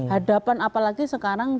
hadapan apalagi sekarang